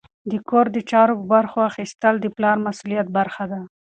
د کور د چارو برخه اخیستل د پلار د مسؤلیت برخه ده.